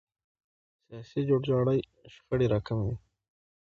سیاسي جوړجاړی شخړې راکموي